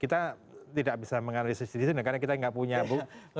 kita tidak bisa menganalisis disini karena kita gak punya bukti